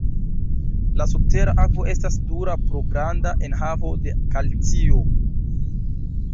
La subtera akvo estas dura pro granda enhavo de kalcio.